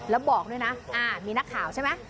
แล้วบอกด้วยนะมีนักข่าวใช่ไหม